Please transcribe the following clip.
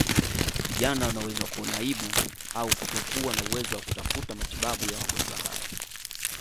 Vijana wanaweza kuona aibu au kutokuwa na uwezo wa kutafuta matibabu ya magonjwa haya